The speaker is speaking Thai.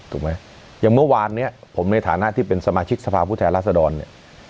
ถูกไหมอย่างเมื่อวานเนี่ยผมในฐานะที่เป็นสมาชิกสภาพผู้แทนราษฎรเนี่ย